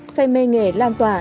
xây mê nghề lan tỏa